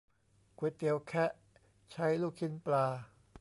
ก๋วยเตี๋ยวแคะ ใช้ลูกชิ้นปลา